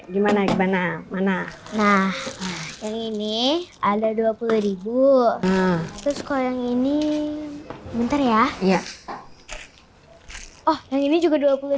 gimana gimana mana nah ini ada rp dua puluh terus kalau yang ini bentar ya oh ini juga rp dua puluh